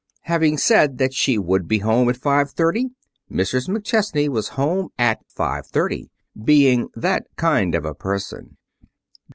Having said that she would be home at five thirty. Mrs. McChesney was home at five thirty, being that kind of a person.